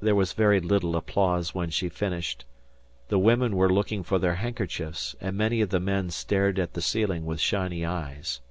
There was very little applause when she finished. The women were looking for their handkerchiefs, and many of the men stared at the ceiling with shiny eyes.